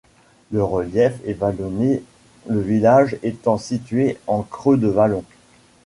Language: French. Le relief est vallonné, le village étant situé en creux de vallon.